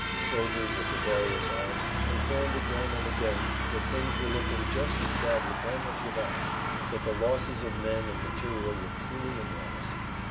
Soldiers of the various arms confirmed again and again that things were looking just as bad with them as with us, that the losses in men and material were truly enormous.